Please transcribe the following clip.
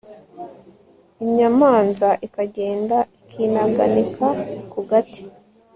inyamanza ikagenda ikinaganika ku gati